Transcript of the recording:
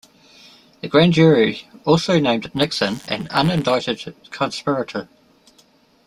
The grand jury also named Nixon an unindicted conspirator.